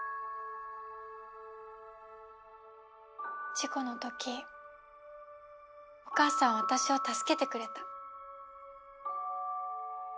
事故のときお母さんは私を助けてくれた。